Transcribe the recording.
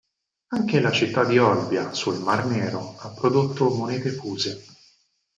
Anche la città di Olbia sul mar Nero, ha prodotto monete fuse.